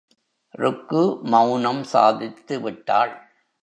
ருக்கு மௌனம் சாதித்துவிட்டாள்.